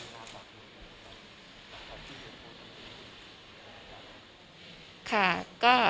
หลักฐานทาง